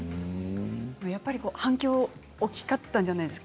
やっぱり反響大きかったんじゃないですか？